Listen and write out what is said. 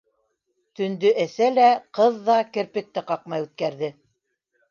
Төндө әсә лә, ҡыҙ ҙа керпек тә ҡаҡмай үткәрҙе.